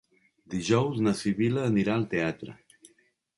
Dijous na Sibil·la anirà al teatre.